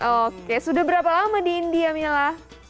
oke sudah berapa lama di india mila